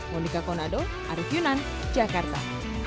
monika konado arief yunan jakarta